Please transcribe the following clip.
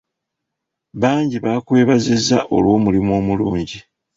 Bangi baakwebaziza olw'omulimu omulungi.